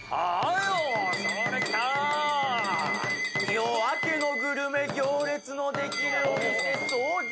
「夜明けのグルメ」、行列のできるお店創業